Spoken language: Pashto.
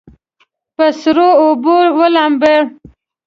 په سړو اوبو ولامبئ.